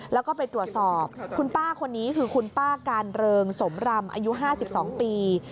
แล้วก็ไปตรวจสอบคุณป้าคนนี้คือคุณป้าการเริงสมรำอายุ๕๒ปี